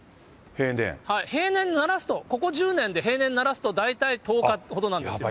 平年にならすと、ここ１０年で平年にならすと、大体１０日ほどなんですね。